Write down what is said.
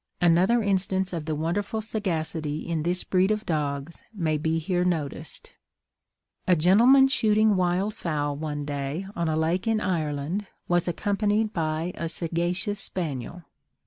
Another instance of wonderful sagacity in this breed of dogs may be here noticed. A gentleman shooting wild fowl one day on a lake in Ireland, was accompanied by a sagacious spaniel.